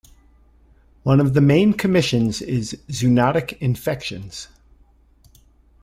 One of the main commissions is zoonotic infections.